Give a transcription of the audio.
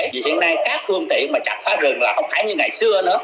vì hiện nay các phương tiện mà chặt phá rừng là không phải như ngày xưa nữa